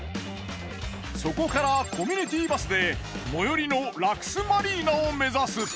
そこからコミュニティバスで最寄りのラクスマリーナを目指す。